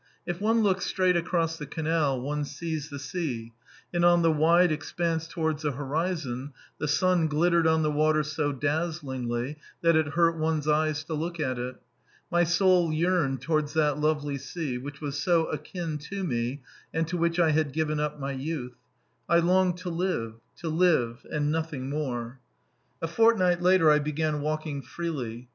If one looks straight across the canal, one sees the sea, and on the wide expanse towards the horizon the sun glittered on the water so dazzlingly that it hurt one's eyes to look at it. My soul yearned towards that lovely sea, which was so akin to me and to which I had given up my youth. I longed to live to live and nothing more. A fortnight later I began walking freely.